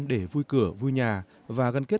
để vui cửa vui nhà và gân kết